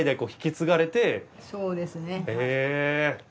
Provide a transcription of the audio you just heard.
そうですね。へ。